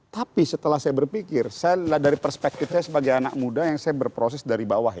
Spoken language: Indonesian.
tapi setelah saya berpikir saya dari perspektif saya sebagai anak muda yang saya berproses dari bawah